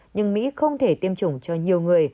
nhưng mỹ không thể tiêm chủng cho nhiều người